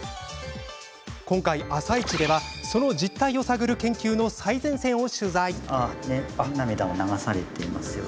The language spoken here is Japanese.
今回「あさイチ」ではその実態を探る研究の最前線を取材。